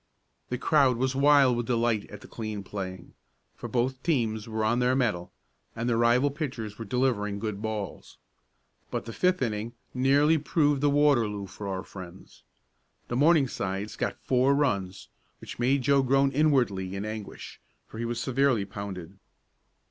The crowd was wild with delight at the clean playing, for both teams were on their mettle, and the rival pitchers were delivering good balls. But the fifth inning nearly proved a Waterloo for our friends. The Morningsides got four runs, which made Joe groan inwardly in anguish, for he was severely pounded.